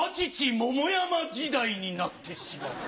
桃山時代になってしまう。